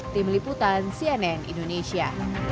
tim liputan cnn indonesia